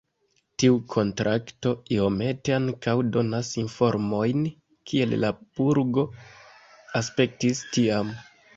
Tiu kontrakto iomete ankaŭ donas informojn kiel la burgo aspektis tiam.